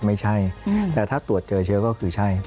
ไม่ใช่แต่ถ้าตรวจเจอเชื้อก็คือใช่